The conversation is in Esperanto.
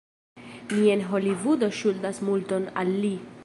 Ni en Holivudo ŝuldas multon al li.